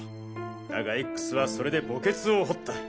だがＸはそれで墓穴を掘った。